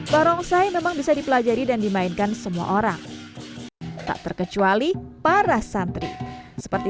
barongsai memang bisa dipelajari dan dimainkan semua orang tak terkecuali para santri seperti